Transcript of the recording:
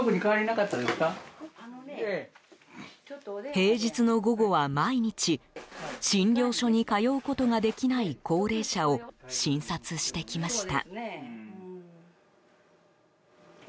平日の午後は毎日診療所に通うことができない高齢者を診察してきました。